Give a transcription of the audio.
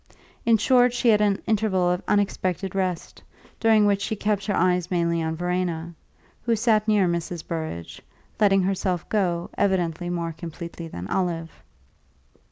In short, she had an interval of unexpected rest, during which she kept her eyes mainly on Verena, who sat near Mrs. Burrage, letting herself go, evidently, more completely than Olive.